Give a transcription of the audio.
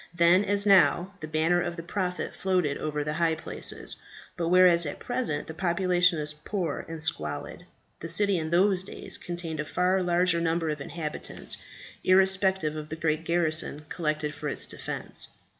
Then, as now, the banner of the Prophet floated over the high places; but whereas at present the population is poor and squalid, the city in those days contained a far large number of inhabitants, irrespective of the great garrison collected for its defence.